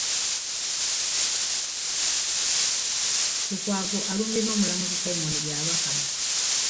Lukwago alumbye n'Omulamuzi Simon Byabakama